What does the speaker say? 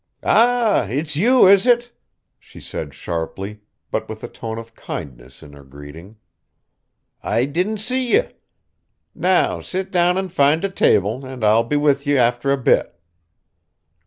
"Ah, it's you, is it?" she said sharply, but with a tone of kindness in her greeting. "I didn't see ye. Now sit down and find a table, and I'll be with ye after a bit."